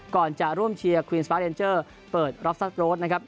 ก่อนจะร่วมเชียร์ควีนสปาร์เอนเจอร์เปิดรับซัสโรดนะครับ